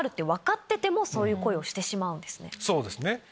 そうですね。